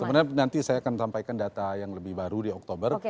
sebenarnya nanti saya akan sampaikan data yang lebih baru di oktober